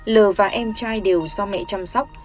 l và em trai đều do mẹ chăm sóc